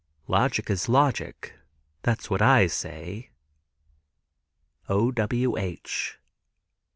"Logic is logic. That's what I say."—_O. W. H.